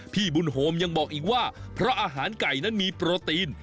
พี่บุญโฮมยังบอกอีกว่าเพราะอาหารไก่นั้นมีโปรตีน